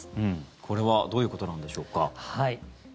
これはどういうことなんでしょうか。